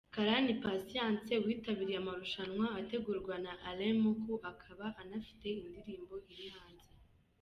Karani Patience witabiriye amarushanwa ategurwa na Alain Muku akaba anafite indirimbo iri hanze.